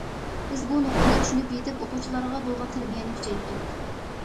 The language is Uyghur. بىز بۇ نۇقتىنى چۈشىنىپ يېتىپ، ئوقۇغۇچىلارغا بولغان تەربىيەنى كۈچەيتتۇق.